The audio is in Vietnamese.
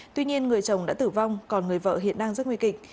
tuy nhiên người chồng đã tử vong còn người vợ hiện đang rất nguy kịch